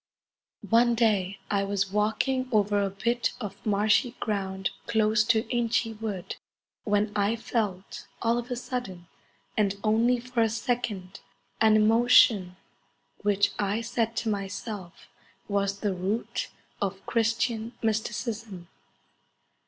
One day I was walking over a bit of marshy ground close to Inchy Wood when I felt, all of a sudden, and only for a second, an emotion which I said to myself was the root of Christian mysticism.